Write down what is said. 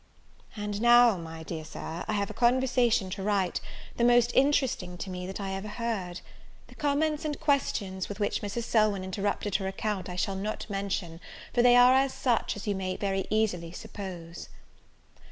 And now, my dear Sir, I have a conversation to write, the most interesting to me that I ever heard. The comments and questions with which Mrs. Selwyn interrupted her account I shall not mention; for they are such as you may very easily suppose.